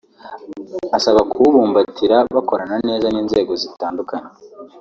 abasaba kuwubumbatira bakorana neza n’inzego zitandukanye